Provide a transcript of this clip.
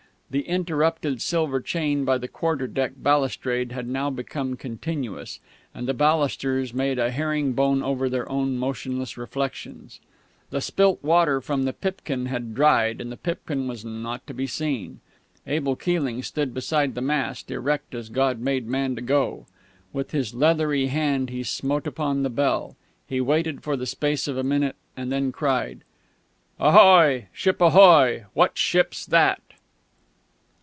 The interrupted silver chain by the quarterdeck balustrade had now become continuous, and the balusters made a herring bone over their own motionless reflections. The spilt water from the pipkin had dried, and the pipkin was not to be seen. Abel Keeling stood beside the mast, erect as God made man to go. With his leathery hand he smote upon the bell. He waited for the space of a minute, and then cried: "Ahoy!... Ship ahoy!... What ship's that?"